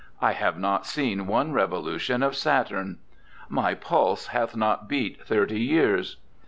* I have not seen one revolution of Saturn.' ' My pulse hath not beat thirty years.'